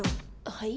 はい？